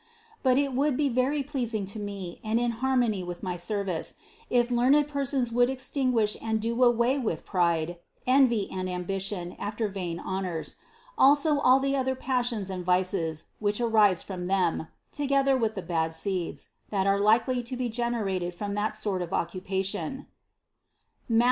But it would be very pleasing to Me and in harmony with my service, if learned persons would extinguish and do away with pride, envy and ambition after vain honors; also all the other passions and vices, which arise from them, together with the bad seeds, that are likely to be generated from that sort of occupation (Matth.